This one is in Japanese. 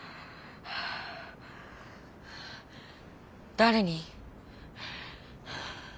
誰に？